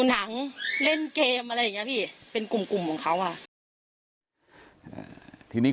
หนังเล่นเกมอะไรอย่างนี้พี่เป็นกลุ่มกลุ่มของเขาอ่ะทีนี้